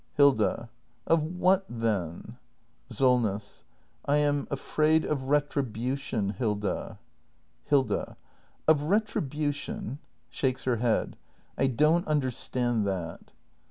Hilda. Of what, then ? Solness. I am afraid of retribution, Hilda. Hilda. Of retribution ? [Shakes her head.] I don't under stand that.